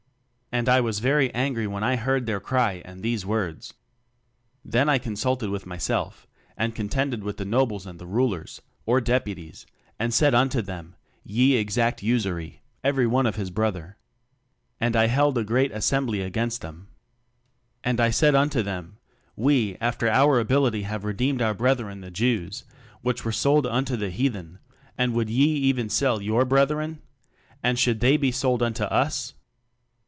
"And I was very angry when I heard their cry and these words. "Then I consulted with myself, and contended with the nobles and the rulers, (or deputies) and said unto them, Ye exact usury, every one of his brother. And I held a great as sembly against them. "And I said unto them, We after our ability have redeemed our breth ren the Jews, which were sold unto the heathen; and would ye even sell your brethren? and should they be sold unto us?